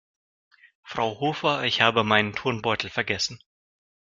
Frau Hofer, ich habe meinen Turnbeutel vergessen.